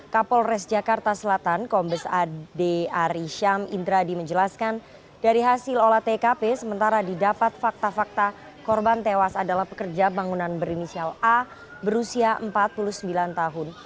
kapolres jakarta selatan kombes ade arisham indradi menjelaskan dari hasil olah tkp sementara didapat fakta fakta korban tewas adalah pekerja bangunan berinisial a berusia empat puluh sembilan tahun